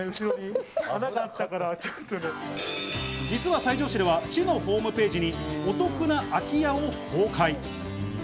実は西条市では市のホームページにお得な空き家を公開。